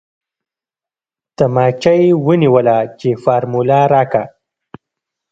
تمانچه يې ونيوله چې فارموله راکه.